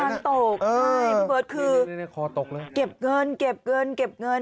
น้ำตาลตกใช่คือเก็บเงินเก็บเงินเก็บเงิน